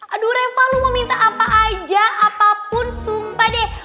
aduh reva lu mau minta apa aja apapun sumpah deh